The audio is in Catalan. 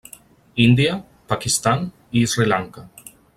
Índia, Pakistan i Sri Lanka.